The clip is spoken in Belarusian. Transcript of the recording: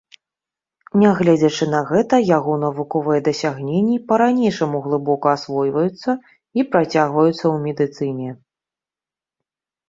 Нягледзячы на гэта, яго навуковыя дасягненні па-ранейшаму глыбока асвойваюцца і працягваюцца ў медыцыне.